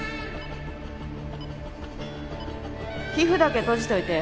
皮膚だけ閉じといて。